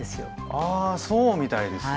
あそうみたいですね。